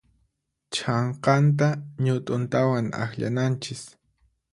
Chhanqanta ñut'untawan akllananchis.